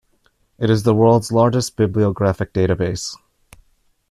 It is the world's largest bibliographic database.